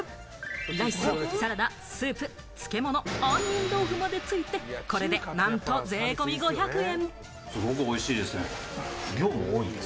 ライス、サラダ、スープ、漬物、杏仁豆腐までついて、これでなんと税込み５００円！